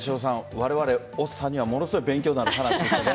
われわれ、おっさんにはものすごく勉強になる話でしたね。